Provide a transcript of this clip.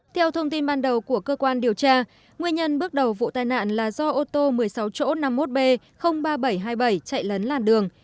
theo thông tin ban đầu của cơ quan điều tra nguyên nhân bước đầu vụ tai nạn là do ô tô một mươi sáu chỗ năm mươi một b ba nghìn bảy trăm hai mươi bảy chạy lấn làn đường